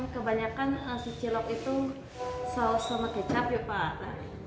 kebanyakan nasi cilok itu saus sama kecap ya pak